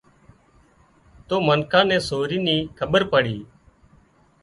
تو منکان نين سورِي نِي کٻير پڙِي